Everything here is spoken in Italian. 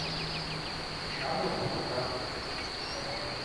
Shadow of a Doubt